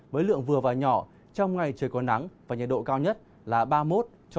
với lượng vừa và nhỏ trong ngày trời có nắng và nhiệt độ cao nhất là ba mươi một ba mươi bốn độ